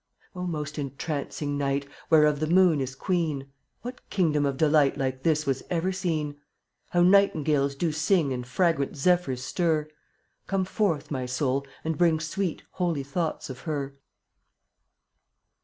47 O most entrancing night! Whereof the Moon is queen, What kingdom of delight Like this was ever seen? How nightingales do sing And fragrant zephyrs stir; Come forth, my soul, and bring Sweet, holy thoughts or her!